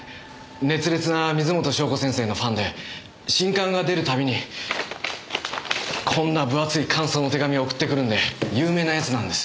熱烈な水元湘子先生のファンで新刊が出る度にこんな分厚い感想の手紙を送ってくるんで有名な奴なんです。